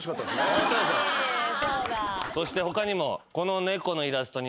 そして他にも。